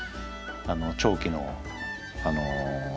長期の。